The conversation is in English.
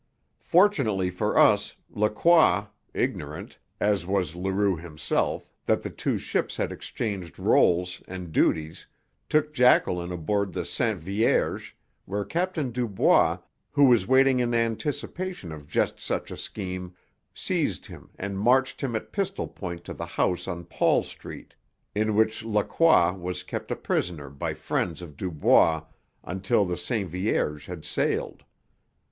Fortunately for us, Lacroix, ignorant, as was Leroux himself, that the two ships had exchanged roles and duties, took Jacqueline aboard the Sainte Vierge, where Captain Dubois, who was waiting in anticipation of just such a scheme, seized him and marched him at pistol point to the house on Paul Street, in which Lacroix was kept a prisoner by friends of Dubois until the Sainte Vierge had sailed.